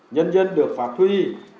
nhân dân được phá thuy